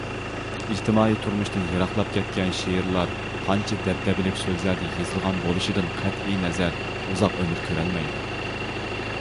ئىجتىمائىي تۇرمۇشتىن يىراقلاپ كەتكەن شېئىرلار قانچە دەبدەبىلىك سۆزلەردە يېزىلغان بولۇشىدىن قەتئىينەزەر ئۇزاق ئۆمۈر كۆرەلمەيدۇ.